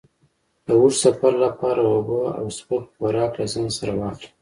د اوږد سفر لپاره اوبه او سپک خوراک له ځان سره واخله.